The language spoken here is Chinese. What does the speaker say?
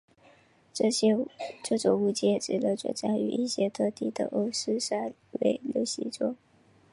这种物件只能存在于一些特定的欧氏三维流形中。